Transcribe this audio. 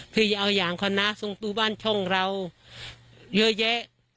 พี่อย่าเอาอย่างคนนะสงตุบ้านช่องเราเยอะแยะ